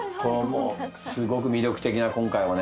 すごく魅力的な今回もね